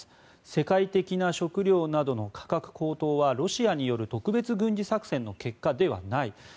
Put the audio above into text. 世界的な食料などの価格高騰はロシアによる特別軍事作戦の結果ではない。